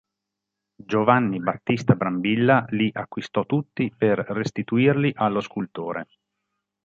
Giovanni Battista Brambilla li acquisto tutti per restituirli allo scultore.